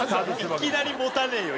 いきなり持たねえよ